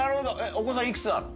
お子さんいくつなの？